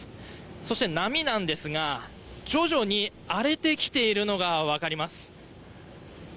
そして波なんですが徐々に荒れてきているのが分かります。